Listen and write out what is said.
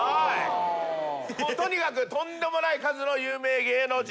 とにかくとんでもない数の有名芸能人。